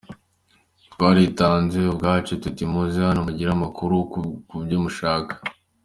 Twaritanze ubwacu tuti muze hano mugire amakuru kubyo mushaka.